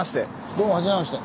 どうもはじめまして。